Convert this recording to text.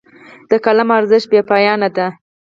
د قلم ارزښت بې پایانه دی.